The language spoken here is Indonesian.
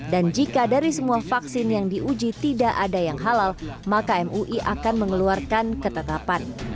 dan jika dari semua vaksin yang diuji tidak ada yang halal maka mui akan mengeluarkan ketetapan